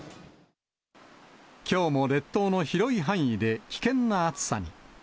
きょうも列島の広い範囲で危険な暑さに。